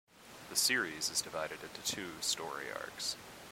The series is divided into two story arcs.